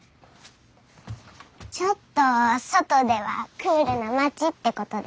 ちょっと外ではクールなまちってことで。